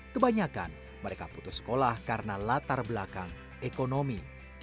kebanyakan mereka putus sekolah karena latar belakang ekonomi